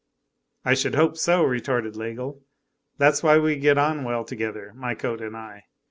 "I should hope so," retorted Laigle. "That's why we get on well together, my coat and I.